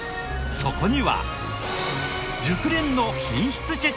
そこには。